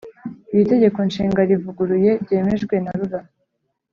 Iri Tegeko Nshinga rivuguruye ryemejwe na rura